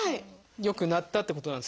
よくなったってことなんですね。